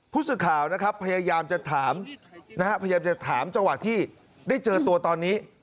ผู้สื่อข่าวนะครับพยายามจะถามนะฮะพยายามจะถามจังหวะที่ได้เจอตัวตอนนี้